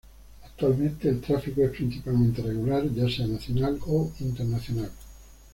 Actualmente el tráfico es principalmente regular ya sea nacional o internacional.